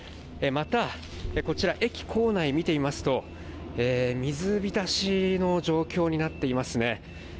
またこちら、駅構内見てみますと水びたしの状況になっていますね。